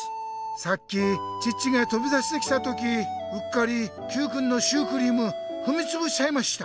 さっきチッチがとび出してきた時うっかりＱくんのシュークリームふみつぶしちゃいました。